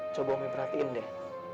coba umi perhatiin deh